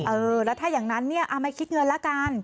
เออแล้วถ้าอย่างนั้นเนี่ยไม่คิดเงินละกัน